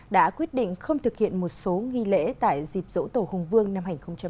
đã quyết định không thực hiện một số nghi lễ tại dịp dỗ tổ hùng vương năm hai nghìn hai mươi bốn